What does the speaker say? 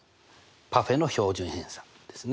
パフェの標準偏差ですね。